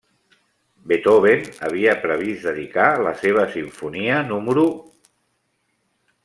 Beethoven havia previst dedicar la seva Simfonia No.